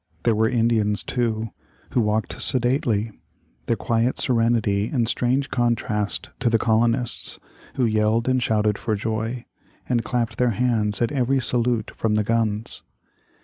There were Indians, too, who walked sedately, their quiet serenity in strange contrast to the colonists, who yelled and shouted for joy, and clapped their hands at every salute from the guns.